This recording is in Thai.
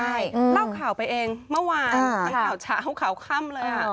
ใช่เล่าข่าวไปเองเมื่อวานทั้งข่าวเช้าข่าวค่ำเลย